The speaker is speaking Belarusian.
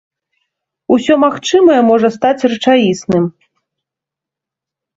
Усё магчымае можа стаць рэчаісным.